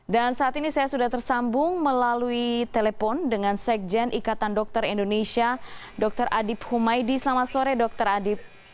saat ini saya sudah tersambung melalui telepon dengan sekjen ikatan dokter indonesia dr adib humaydi selamat sore dr adib